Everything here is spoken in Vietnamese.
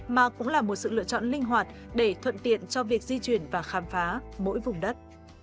mà cũng là một sự lựa chọn linh hoạt để thuận tiện cho việc di chuyển và khám phá mỗi vùng đất